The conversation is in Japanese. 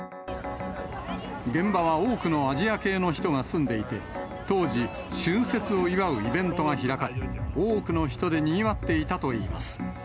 現場は多くのアジア系の人が住んでいて、当時、春節を祝うイベントが開かれ、多くの人でにぎわっていたといいます。